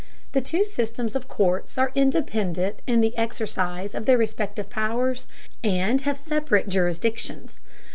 The two systems of courts are independent in the exercise of their respective powers, and have separate jurisdictions.